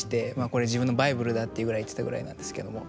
「これ自分のバイブルだ」っていうぐらい言ってたぐらいなんですけども。